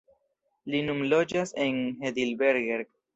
Li nun loĝas en Heidelberg.